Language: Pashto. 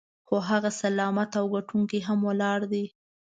خو هغه سلامت او ګټونکی هم ولاړ دی.